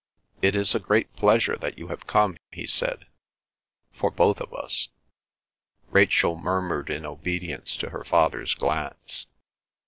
"It is a great pleasure that you have come," he said, "for both of us." Rachel murmured in obedience to her father's glance.